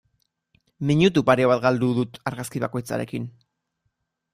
Minutu pare bat galdu dut argazki bakoitzarekin.